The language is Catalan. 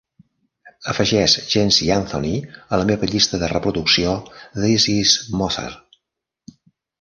Afegeix Jency Anthony a la meva llista de reproducció This Is Mozart